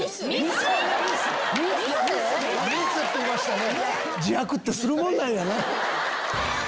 「ミス」って言いましたね。